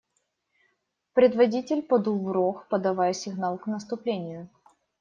Предводитель подул в рог, подавая сигнал к наступлению.